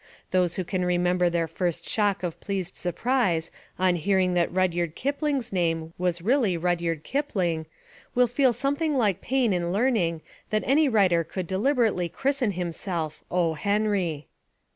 Those who can remember their first shock of pleased surprise on hearing that Rudyard Kipling's name was really Rud yard Kiphng, will feel something like pain in learning that any writer could deliberately christen himself "O. Henry."